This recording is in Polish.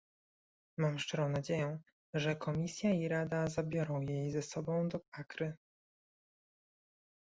Mam szczerą nadzieję, że Komisja i Rada zabiorą jej ze sobą do Akry